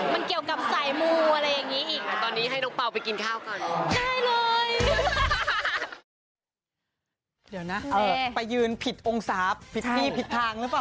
มันเกี่ยวกับสายหมูอะไรอย่างนี้อีก